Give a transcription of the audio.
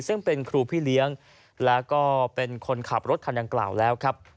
ซึ่งเป็นครูพี่เลี้ยงแล้วก็เป็นคนขับรถคันดังกล่าวแล้วครับ